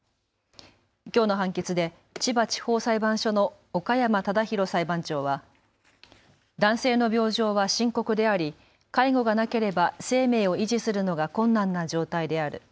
きょうの判決で千葉地方裁判所の岡山忠広裁判長は男性の病状は深刻であり介護がなければ生命を維持するのが困難な状態である。